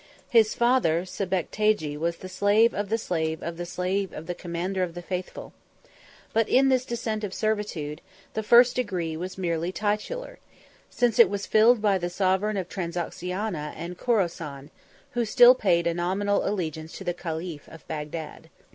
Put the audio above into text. His father Sebectagi was the slave of the slave of the slave of the commander of the faithful. But in this descent of servitude, the first degree was merely titular, since it was filled by the sovereign of Transoxiana and Chorasan, who still paid a nominal allegiance to the caliph of Bagdad.